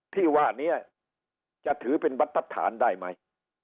ที่ว่านี้จะถือเป็นบรรทัศนได้ไหม